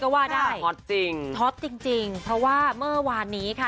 ก็ว่าได้ฮอตจริงฮอตจริงจริงเพราะว่าเมื่อวานนี้ค่ะ